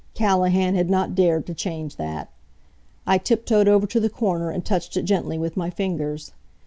Callahan had not dared to change that. I tip toed over to the corner and touched it gently with my fingers.